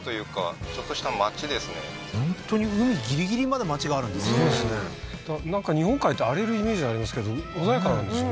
本当に海ギリギリまで町があるんですねすごいですねなんか日本海って荒れるイメージありますけど穏やかなんですよね